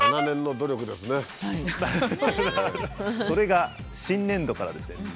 それが新年度からですね。